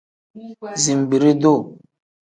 Zinbiri-duu.